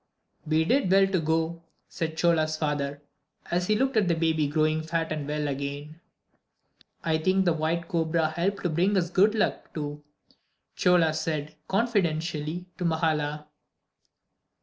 "We did well to go," said Chola's father, as he looked at the baby growing fat and well again. "I think the white cobra helped to bring us good luck, too," Chola said, confidentially to Mahala.